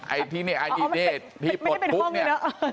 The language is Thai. ไอ้ที่นี่ที่ปลดทุกข์เนี่ย